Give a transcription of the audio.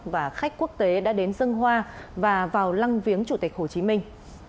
và khách quốc tế đã đến dân hoa và vào lăng viếng chủ tịch hồ chí minh